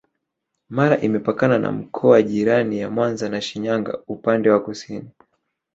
Mara imepakana na mikoa jirani ya Mwanza na Shinyanga upande wa kusini